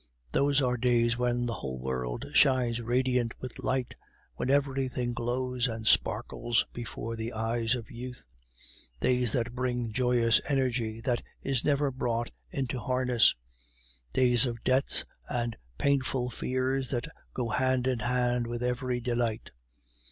Those are days when the whole world shines radiant with light, when everything glows and sparkles before the eyes of youth, days that bring joyous energy that is never brought into harness, days of debts and of painful fears that go hand in hand with every delight.